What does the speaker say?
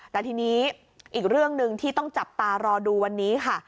แต่ทีนี้อีกเรื่องหนึ่งที่ต้องจับตารอดูวันนี้ค่ะ